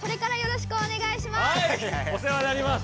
はいお世話になります。